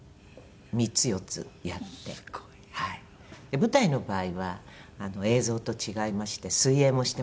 舞台の場合は映像と違いまして水泳もしても大丈夫なんです。